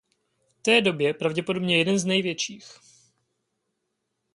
V té době pravděpodobně jeden z největších.